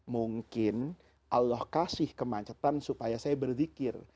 mungkin allah kasih kemacetan supaya saya berzikir